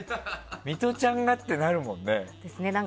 ミトちゃんが？ってなるもんね。